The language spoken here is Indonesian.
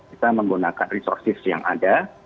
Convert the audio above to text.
kita menggunakan resources yang ada